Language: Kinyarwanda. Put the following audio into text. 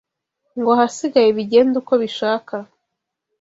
ngo ahasigaye bigende uko bishaka.